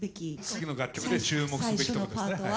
次の楽曲で注目すべきとこですね。